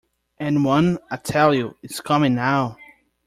And one, I tell you, is coming now.